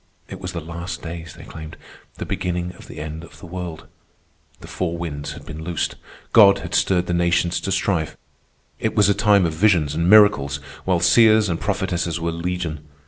It was the last days, they claimed, the beginning of the end of the world. The four winds had been loosed. God had stirred the nations to strife. It was a time of visions and miracles, while seers and prophetesses were legion.